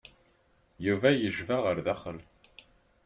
Yuba yejba ɣer daxel.